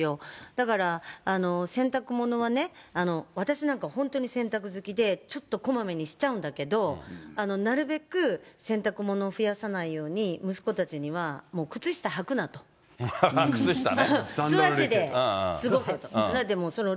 だから洗濯物はね、私なんか本当に洗濯好きで、ちょっとこまめにしちゃうんだけど、なるべく洗濯物を増やさないように、息子たちには、靴下ね。